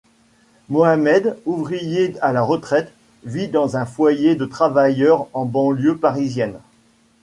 Mohamed, ouvrier à la retraite, vit dans un foyer de travailleurs en banlieue parisienne.